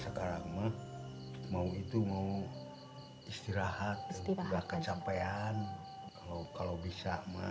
sekarang mah mau itu mau istirahat udah kecapean kalau kalau bisa mah